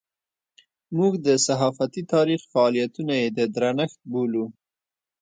موږ د صحافتي تاریخ فعالیتونه یې د درنښت بولو.